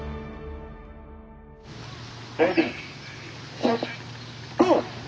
レディーセットゴー！